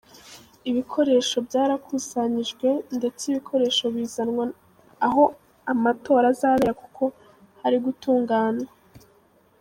Ibikoresho byarakusanyijwe ndetse ibikoresho bizajyanwa aho amatora azabera kuko hari gutunganywa.